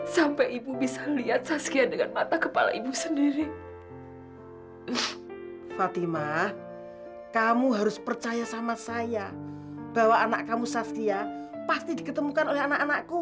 sampai jumpa di video selanjutnya